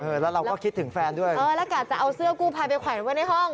แล้วเราก็คิดถึงแฟนด้วยเออแล้วกะจะเอาเสื้อกู้ภัยไปแขวนไว้ในห้อง